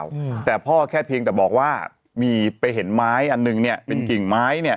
อืมแต่พ่อแค่เพียงแต่บอกว่ามีไปเห็นไม้อันหนึ่งเนี้ยเป็นกิ่งไม้เนี้ย